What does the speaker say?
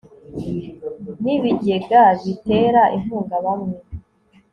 n ibigega bitera inkunga bamwe